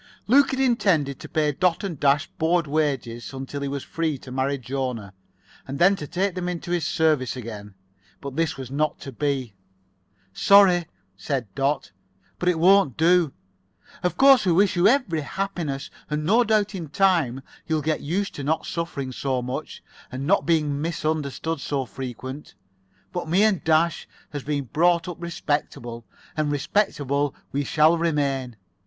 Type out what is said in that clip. Luke had intended to pay Dot and Dash board wages until he was free to marry Jona, and then to take them into his service again. But this was not to be. "Sorry," said Dot, "but it won't do. Of course we wish you every happiness, and no doubt in time you'll get used to not suffering so much, and not being misunderstood so frequent. But me and Dash has been brought up respectable, and respectable we shall remain.